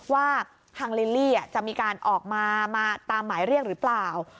ว่าทางลิลลี่จะมีการออกมาตามหมายเรียกหรือเปล่า